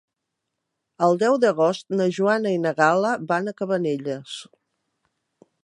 El deu d'agost na Joana i na Gal·la van a Cabanelles.